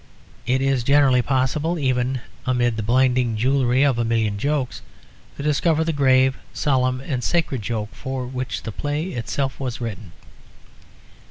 It is generally possible, even amid that blinding jewellery of a million jokes, to discover the grave, solemn and sacred joke for which the play itself was written.